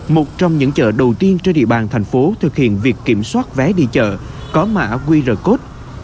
một trong những chợ đầu tiên trên địa bàn thành phố thực hiện việc kiểm soát vé đi chợ có mã qr code